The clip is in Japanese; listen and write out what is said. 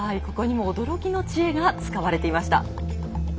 ここにも驚きの知恵が使われていました。